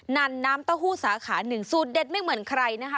นั่นน้ำเต้าหู้สาขาหนึ่งสูตรเด็ดไม่เหมือนใครนะคะ